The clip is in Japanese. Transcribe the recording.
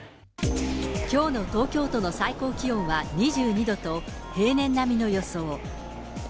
きょうの東京都の最高気温は２２度と、平年並みの予想。